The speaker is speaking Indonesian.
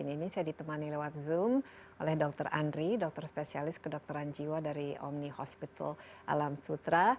ini saya ditemani lewat zoom oleh dr andri dokter spesialis kedokteran jiwa dari omni hospital alam sutra